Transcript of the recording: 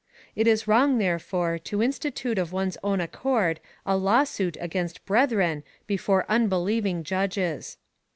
It is wrong, therefore, to institute of one's own accord a law suit against brethren before unbelieving judges.